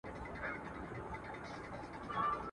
چي پیدا به یو زمری پر پښتونخوا سي.